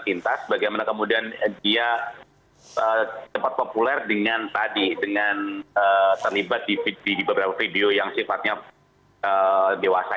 pintas bagaimana kemudian dia cepat populer dengan tadi dengan terlibat di beberapa video yang sifatnya dewasa